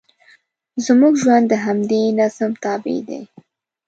زموږ ژوند د همدې نظم تابع دی.